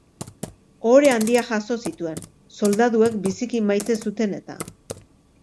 Ohore handiak jaso zituen, soldaduek biziki maite zuten eta.